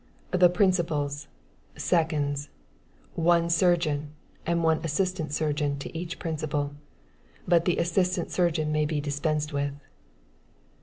The principals, seconds, one surgeon and one assistant surgeon to each principal; but the assistant surgeon may be dispensed with.